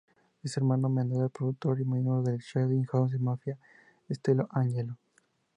Es hermano menor del productor y miembro de Swedish House Mafia, Steve Angello.